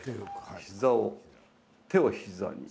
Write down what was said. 膝を、手を膝に。